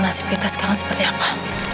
nasib kita sekarang seperti apa